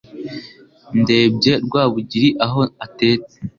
Ndebye Rwabugiri aho atetse